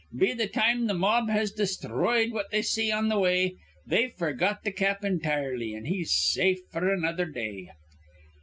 Be th' time th' mob has desthroyed what they see on th' way, they've f'rgot th' Cap intirely; an' he's safe f'r another day.